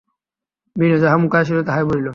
বিনয় যাহা মুখে আসিল তাহাই বলিল।